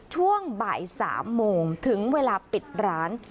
ช่วงบ่าย๓โมงถึงเวลาปิดร้าน